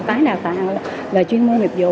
tái đào tạo về chuyên môn nghiệp dụ